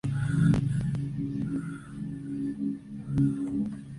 Lo que lo lleva a la madurez y acepta volver a su hogar.